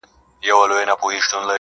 نو زه له تاسره.